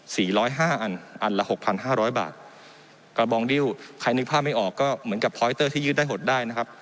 สี่ร้อยห้าอันอันละหกพันห้าร้อยบาทกระบองดิ้วใครนึกภาพไม่ออกก็เหมือนกับพอยเตอร์ที่ยืดได้หดได้นะครับ